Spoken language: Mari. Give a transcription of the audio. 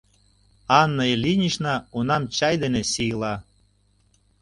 Анна Ильинична унам чай дене сийла.